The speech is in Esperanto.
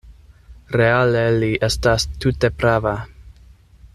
Reale li estas tute prava.